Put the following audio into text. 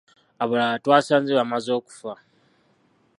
Abalala twasanze bamaze okufa.